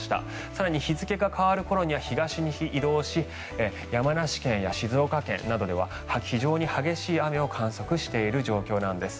更に日付が変わる頃には東に移動し山梨県や静岡県では非常に激しい雨を観測している状況なんです。